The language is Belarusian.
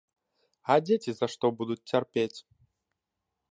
А дзеці за што будуць цярпець?